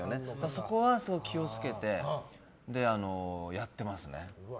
そこは気を付けてやってますね。